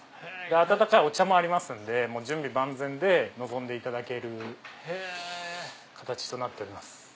温かいお茶もありますんで準備万全で臨んでいただける形となっております。